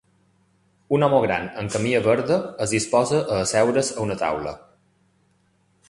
Un home gran amb camisa verda es disposa a asseure's a una taula.